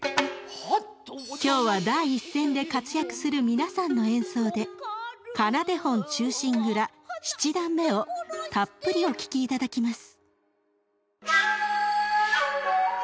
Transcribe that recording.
今日は第一線で活躍する皆さんの演奏で「仮名手本忠臣蔵七段目」をたっぷりお聴きいただきます！